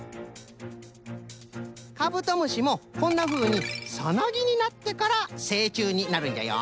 カブトムシもこんなふうにサナギになってからせいちゅうになるんじゃよ。